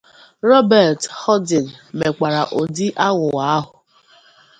Robert-Houdin mekwara ụdị aghụghọ ahụ.